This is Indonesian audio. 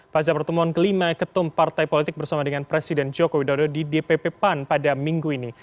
pasca pertemuan kelima ketum partai politik bersama dengan presiden joko widodo di dpp pan pada minggu ini